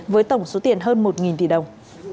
với tổng số tiền hơn một tỷ đồng